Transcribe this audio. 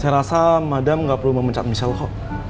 saya rasa madam gak perlu memencet michelle ho